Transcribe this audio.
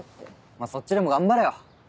まっそっちでも頑張れよ。